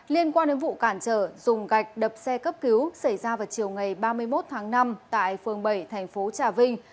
liên quan đến vụ cản trở dùng gạch đập xe cấp cứu xảy ra vào chiều ngày ba mươi một tháng năm tại phường bảy thành phố trà vinh